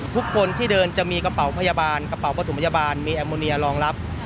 ทุกคนที่เดินจะมีกระเป๋าพยาบาลกระเป๋าประถมพยาบาลมีแอมโมเนียรองรับ